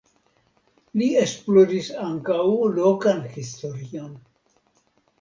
Li esploris ankaŭ lokan historion.